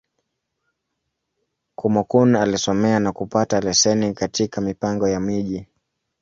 Kúmókụn alisomea, na kupata leseni katika Mipango ya Miji.